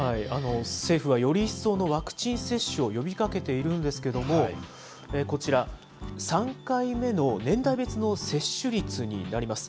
政府はより一層のワクチン接種を呼びかけているんですけども、こちら、３回目の年代別の接種率になります。